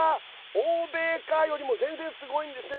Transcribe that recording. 欧米化よりも全然すごいんですね。